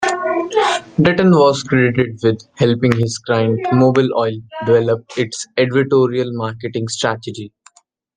Dutton was credited with helping his client Mobil Oil develop its "advertorial" marketing strategy.